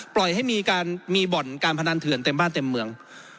ปล่อยให้มีการมีบ่อนการพนันเถื่อนเต็มบ้านเต็มเมือง